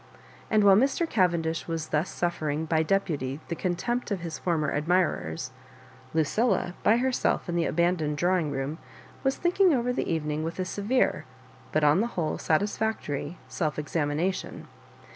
And while Mr. Cavendish was thus suffer ing by deputy the contempt of his former admi rers, Lucilla, by herself in the abandoned draw ing room, was thinking over the evening with a severe but on the whole satisfectoiy self exami nation.